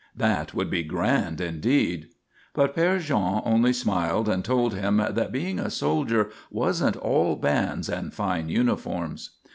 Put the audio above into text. That would be grand, indeed! But Père Jean only smiled and told him that being a soldier wasn't all bands and fine uniforms.